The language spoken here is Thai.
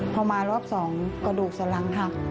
พอมารอบสองกระดูกสลังทับ